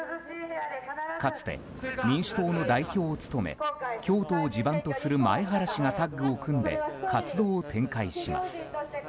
かつて民主党の代表を務め京都を地盤とする前原氏がタッグを組んで活動を展開します。